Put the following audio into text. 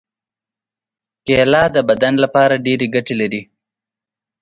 کېله د بدن لپاره ډېرې ګټې لري.